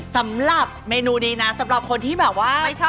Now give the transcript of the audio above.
สำหรับเมนูนี้นะสำหรับคนที่แบบว่าไม่ชอบ